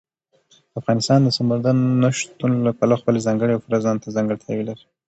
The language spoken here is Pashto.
افغانستان د سمندر نه شتون له پلوه خپله ځانګړې او پوره ځانته ځانګړتیاوې لري.